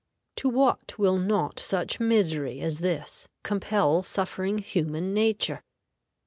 To what will not such misery as this compel suffering human nature?